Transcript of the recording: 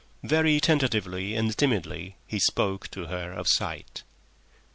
Very tentatively and timidly he spoke to her of sight.